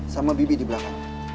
sama bibi di belakang